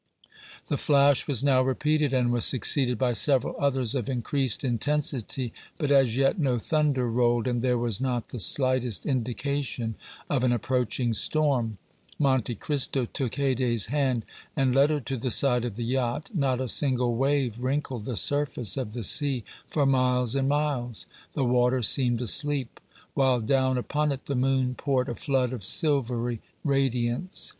The flash was now repeated and was succeeded by several others of increased intensity, but as yet no thunder rolled and there was not the slightest indication of an approaching storm. Monte Cristo took Haydée's hand and led her to the side of the yacht. Not a single wave wrinkled the surface of the sea for miles and miles; the water seemed asleep, while down upon it the moon poured a flood of silvery radiance.